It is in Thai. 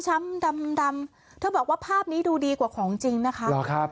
ดำดำเธอบอกว่าภาพนี้ดูดีกว่าของจริงนะคะ